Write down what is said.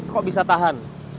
kok bisa tahan